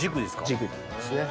軸になりますね。